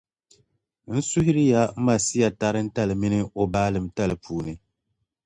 N suhiri ya Masia tarintali min’ o baalintali puuni.